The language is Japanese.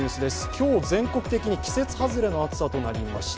今日、全国的に季節外れの暑さとなりました。